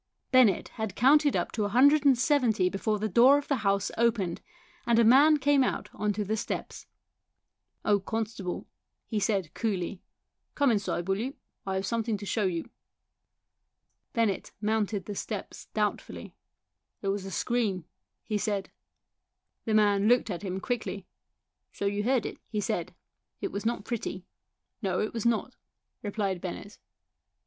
Bennett had counted up to a hundred and seventy before the door of the house opened, and a man came out on to the steps. " Oh, constable," he said coolly, " come inside, will you ? I have something to show you." Bennett mounted the steps doubtfully. "There was a scream," he said. The man looked at him quickly. " So you heard it," he said. " It was not pretty." 14 194 THE SOUL OF A POLICEMAN " No, it was not," replied Bennett.